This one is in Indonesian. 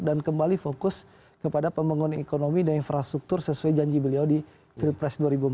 dan kembali fokus kepada pembangunan ekonomi dan infrastruktur sesuai janji beliau di pilpres dua ribu empat belas